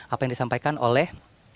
apa yang disampaikan oleh